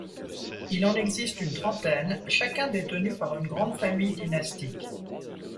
Il en existe une trentaine, chacun détenu par une grande famille dynastique.